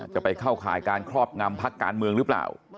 ไปเข้าข่ายการครอบงำพักการเมืองหรือเปล่า